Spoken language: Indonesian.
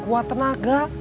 berusaha sekuat tenaga